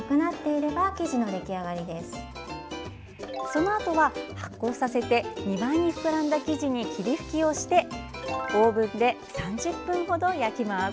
そのあとは発酵させて２倍に膨らんだ生地に霧吹きをしてオーブンで３０分ほど焼きます。